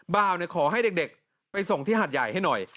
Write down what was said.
บาวขอให้เด็กไปส่งที่หาดใหญ่ให้หน่อย